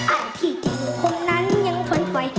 อันที่จริงโบนนั้นยังฝันไฟ